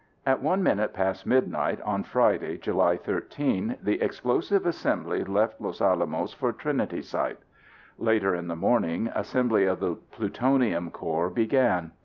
At one minute past midnight on Friday, July 13, the explosive assembly left Los Alamos for Trinity Site. Later in the morning, assembly of the plutonium core began.